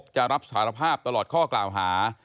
จะรับสารภาพตลอดข้อกล่าวหา